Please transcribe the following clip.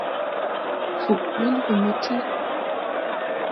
Fug ɓil gɔ me ti.